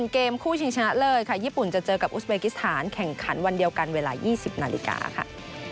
แข่งขันวันเดียวกันเวลา๒๐นาฬิกาค่ะ